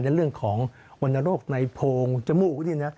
ในเรื่องของวรรณโรคในโพงจมูกนี่นะ